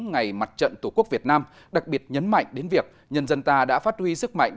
ngày mặt trận tổ quốc việt nam đặc biệt nhấn mạnh đến việc nhân dân ta đã phát huy sức mạnh